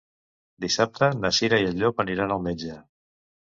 Dissabte na Cira i en Llop aniran al metge.